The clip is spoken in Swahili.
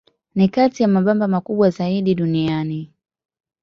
Ni kati ya mabamba makubwa zaidi duniani.